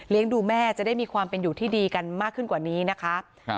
ดูแม่จะได้มีความเป็นอยู่ที่ดีกันมากขึ้นกว่านี้นะคะ